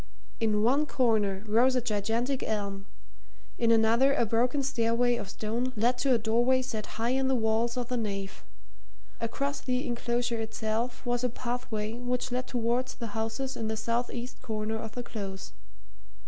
In one corner rose a gigantic elm; in another a broken stairway of stone led to a doorway set high in the walls of the nave; across the enclosure itself was a pathway which led towards the houses in the south east corner of the Close.